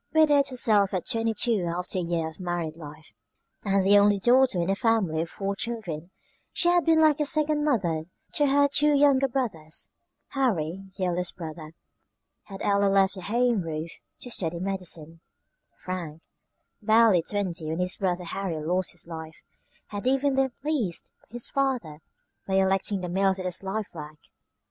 Widowed herself at twenty two after a year of married life, and the only daughter in a family of four children, she had been like a second mother to her two younger brothers. Harry, the eldest brother, had early left the home roof to study medicine. Frank, barely twenty when his brother Harry lost his life, had even then pleased his father by electing the mills as his life work.